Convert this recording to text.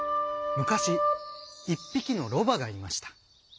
むかしいっぴきのロバがいました。